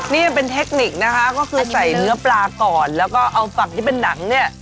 นี่เป็นเทคนิคนะคะก็คือใส่เนื้อปลาก่อนแล้วก็เอาฝั่งที่เป็นหนังเนี่ย